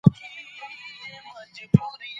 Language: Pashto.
رښتنی واکمن بايد د عامو خلګو له منځه راپورته سي.